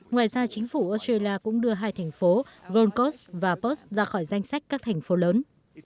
ngoài ra chính phủ australia cũng đưa hai thành phố gold coast và post ra khỏi danh sách các thành phố lớn